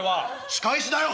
仕返しだよ！